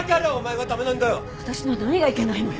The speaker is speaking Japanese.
私の何がいけないのよ？